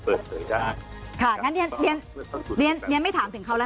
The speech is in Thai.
เปิดเกิดได้ค่ะงั้นเรียนเรียนเรียนไม่ถามถึงเขาแล้ว